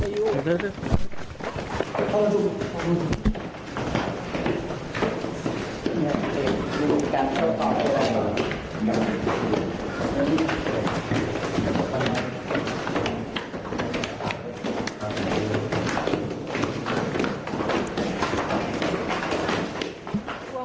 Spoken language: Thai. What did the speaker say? เดี๋ยว